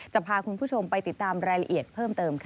จะพาคุณผู้ชมไปติดตามรายละเอียดเพิ่มเติมค่ะ